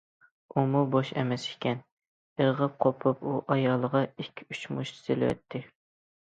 ئۇمۇ بوش ئەمەس ئىكەن، ئىرغىپ قوپۇپ ئۇ ئايالغا ئىككى- ئۈچ مۇشت سېلىۋەتتى.